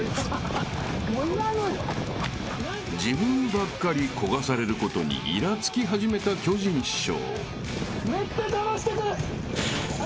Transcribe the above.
［自分ばっかりこがされることにいらつき始めた巨人師匠］